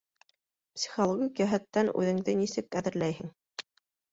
Психологик йәһәттән үҙеңде нисек әҙерләйһең?